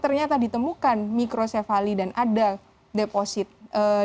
ternyata ditemukan mikrosevali dan ada depositasi